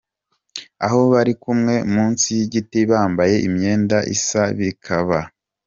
Aho bari kumwe munsi y’igiti bambanye imyenda isa bikaba.